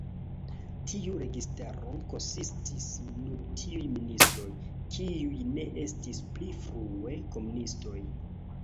Tiu registaro konsistis nur tiuj ministroj, kiuj ne estis pli frue komunistoj.